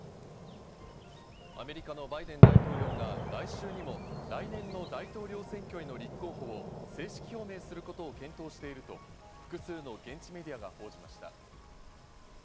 アメリカのバイデン大統領が来週にも来年の大統領選挙への立候補を正式表明することを検討していると複数の現地メディアが報じました。